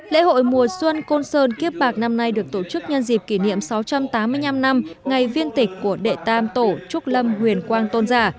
lễ hội mùa xuân côn sơn kiếp bạc năm nay được tổ chức nhân dịp kỷ niệm sáu trăm tám mươi năm năm ngày viên tịch của đệ tam tổ trúc lâm huyền quang tôn giả